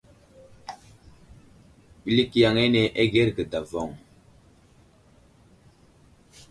Ɓəlik yaŋ ane agərge davoŋ.